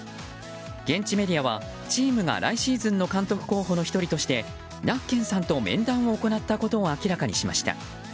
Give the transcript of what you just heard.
現地メディアはチームが来シーズンの監督候補としてナッケンさんと面談を行ったことを明らかにしました。